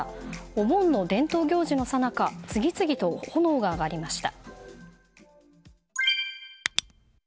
お盆の伝統行事のさなか次々と炎が上がりました。